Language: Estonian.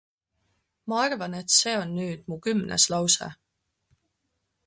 Ma arvan et see on nüüd mu kümnes lause.